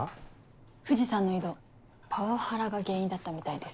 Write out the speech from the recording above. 藤さんの異動パワハラが原因だったみたいです。